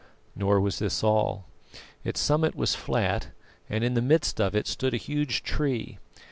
Nor was this all. Its summit was flat, and in the midst of it stood a huge tree.